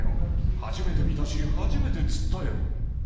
初めて見たし、初めて釣ったよ。